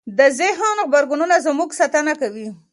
د ذهن غبرګونونه زموږ ساتنه کوي.